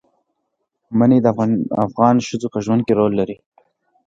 منی د افغان ښځو په ژوند کې رول لري.